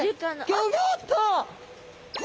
ギョギョッと！